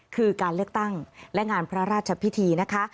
คือการเลือกตั้งและงานพระราชพิธีนะคะ